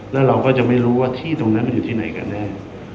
แล้วเราก็จะไม่รู้ว่าที่ตรงนั้นมันอยู่ที่ไหนกันแน่